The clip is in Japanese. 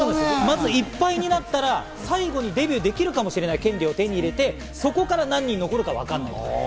まずいっぱいになったら最後にデビューできるかもしれない権利を手にして、そこから何人残るかわからない。